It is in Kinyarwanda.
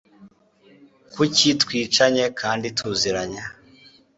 kuki twicanye kandi tuziranye